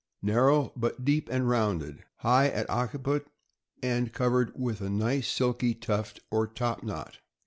— Narrow, but deep and rounded; high at occiput, and covered with a nice silky tuft or top knot.